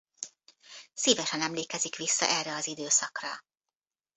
Szívesen emlékezik vissza erre az időszakra.